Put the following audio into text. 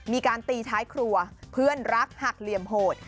มีการตีท้ายครัวเพื่อนรักหักเหลี่ยมโหด